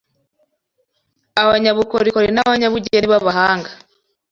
abanyabukorikori n’abanyabugeni b’abahanga